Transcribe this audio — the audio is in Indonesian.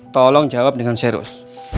tolong jawab dengan serius